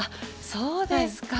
そうですか。